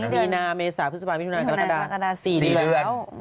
มีนาเมษาพฤษภาพวิทยุนาส์กับมักอันดา๔เดือน